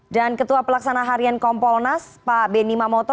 dan ketua pelaksana harian kompolnas pak benny mamoto